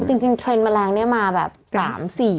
จริงเทรนด์แมลงมาแบบ๓๔ปี